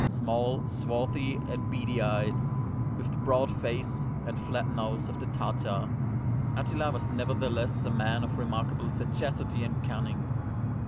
Small, swarthy, and beady eyed, with the broad face and flat nose of the Tartar, Attila was nevertheless a man of remarkable sagacity and cunning.